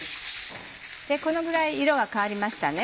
このぐらい色が変わりましたね